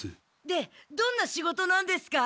でどんな仕事なんですか？